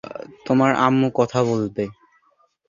তোমার আম্মু কথা বলবে।